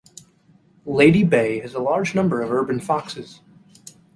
Lady Bay has a large number of urban foxes.